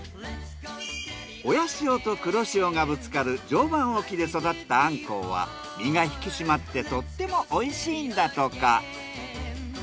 親潮と黒潮がぶつかる常磐沖で育ったアンコウは身が引き締まってとってもおいしいんだとか。